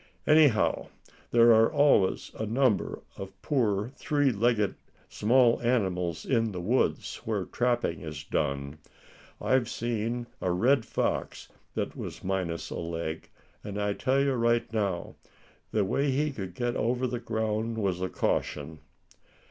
Anyhow, there are always a number of poor three legged small animals in the woods where trapping is done. I've seen a red fox that was minus a leg; and I tell you right now, the way he could get over ground was a caution."